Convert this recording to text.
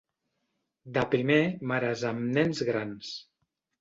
De primer, mares amb nens grans.